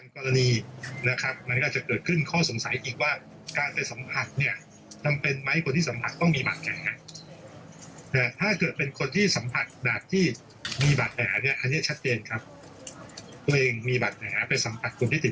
เพื่อมาสัมผัสกับบริเวณฤทธิปารวมปลาจมูกในส่วนต่างซึ่งเป็นสิทธิ์